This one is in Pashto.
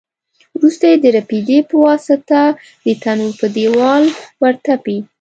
وروسته یې د رپېدې په واسطه د تنور په دېوال ورتپي.